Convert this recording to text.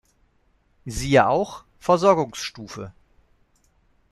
Siehe auch: Versorgungsstufe.